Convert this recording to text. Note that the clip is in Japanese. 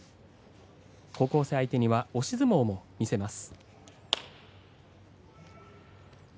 高校生相手には押し相撲も見せます。